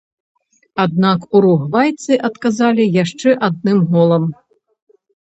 Аднак уругвайцы адказалі яшчэ адным голам.